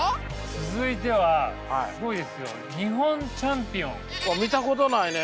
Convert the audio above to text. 続いてはすごいですよ日本チャンピオン。あっ見たことないね！